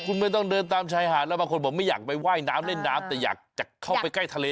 คุณไม่ต้องเดินตามชายหาดแล้วบางคนบอกไม่อยากไปว่ายน้ำเล่นน้ำแต่อยากจะเข้าไปใกล้ทะเล